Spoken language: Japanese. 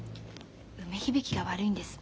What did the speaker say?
梅響が悪いんです。